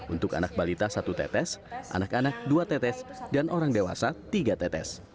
untuk anak balita satu tetes anak anak dua tetes dan orang dewasa tiga tetes